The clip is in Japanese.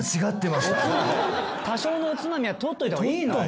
多少のおつまみは取っといた方がいいのよ。